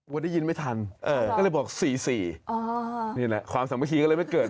วันได้ยินไม่ทันเออก็เลยบอกสี่สี่อ๋อนี่แหละความสามัคคีก็เลยไม่เกิด